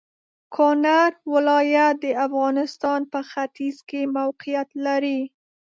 کونړ ولايت د افغانستان په ختيځ کې موقيعت لري.